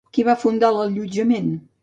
Qui va fundar l'allotjament?